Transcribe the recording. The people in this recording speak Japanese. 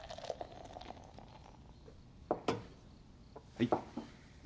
はい。